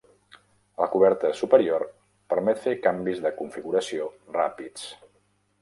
La coberta superior permet fer canvis de configuració ràpids.